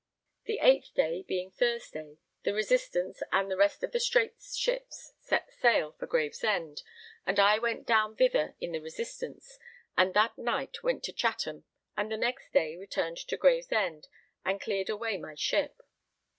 The 8th day, being Thursday, the Resistance and the rest of the Straits ships set sail for Gravesend, and I went down thither in the Resistance, and that night went to Chatham, and the next day returned to Gravesend and cleared away my ship.